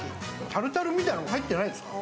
タルタルみたいの入ってないですか？